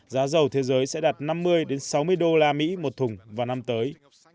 giá dầu thế giới sẽ đạt năm mươi sáu mươi đô la mỹ một thùng vào năm tới